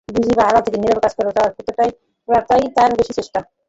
বুঝিবা আড়াল থেকে নীরবে কাজ করে যাওয়ার প্রতিই তাঁর বেশি চেষ্টা।